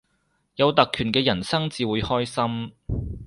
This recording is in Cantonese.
有特權嘅人生至會開心